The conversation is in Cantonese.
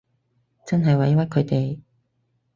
真係委屈佢哋